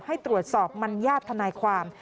ให้ตรวจสอบมันญาติทนายความ